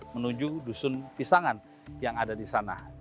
menuju dusun pisangan yang ada di sana